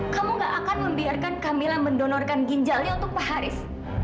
kamu gak akan membiarkan kamila mendonorkan ginjalnya untuk pak haris